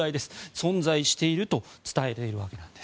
存在していると伝えているわけです。